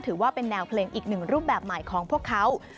ถือว่าเป็นแนวเพลงอีกหนึ่งรูปแบบใหม่ของพวกเขา